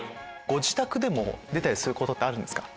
ご自宅でも出たりすることあるんですか？